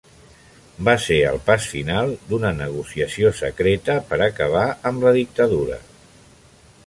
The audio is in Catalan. Va ser el pas final d'una negociació secreta per acabar amb la dictadura.